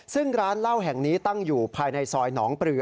ซึ่งร้านเหล้าแห่งนี้ตั้งอยู่ภายในซอยหนองปลือ